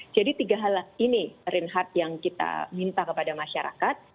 jadi tiga hal ini rinhat yang kita minta kepada masyarakat